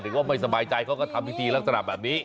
ก็ไม่สบายใจเขาก็ทำพิธีลักษณะแบบนี้